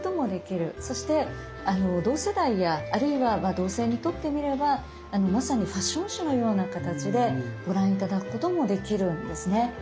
そして同世代やあるいは同性にとってみればまさにファッション誌のような形でご覧頂くこともできるんですね。